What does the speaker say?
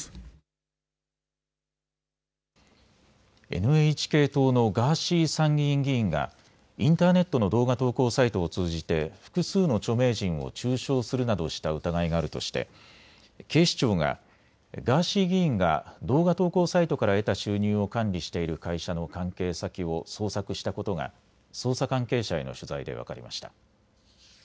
ＮＨＫ党のガーシー参議院議員がインターネットの動画投稿サイトを通じて複数の著名人を中傷するなどした疑いがあるとして警視庁がガーシー議員が動画投稿サイトから得た収入を管理している会社の関係先を捜索したことが捜査関係者への取材で分かりました。